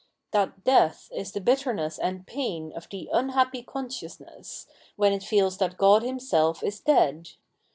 That death is the bitterness and pain of the " unhappy consciousness," when it feels that God himself is dead.